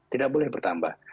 tidak boleh bertambah